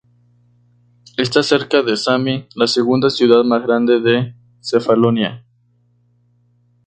Está cerca de Sami, la segunda ciudad más grande de Cefalonia.